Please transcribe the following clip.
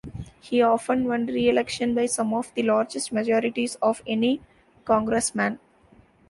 He often won re-election by some of the largest majorities of any congressman.